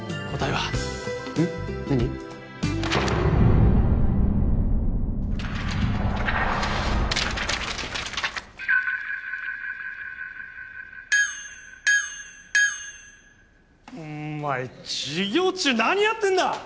お前授業中何やってんだ！